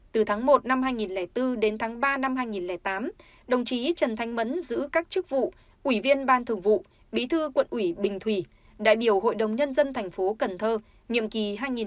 từ tháng một năm hai nghìn bốn đến tháng ba năm hai nghìn tám đồng chí trần thanh mẫn giữ các chức vụ ủy viên ban thường vụ bí thư quận ủy bình thủy đại biểu hội đồng nhân dân thành phố cần thơ nhiệm kỳ hai nghìn bốn hai nghìn chín